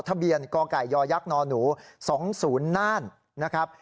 ทะเบียนกกยยนหนู๒๐นนะครับ